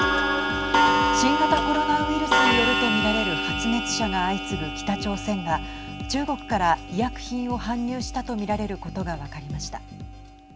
新型コロナウイルスによるとみられる発熱者が相次ぐ北朝鮮が中国から医薬品を搬入したとみられることが分かりました。